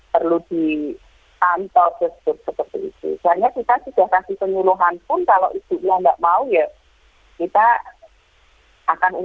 kalau sampai memang tetap pada akhirnya tidak mau ya kita kembalikan ke ibu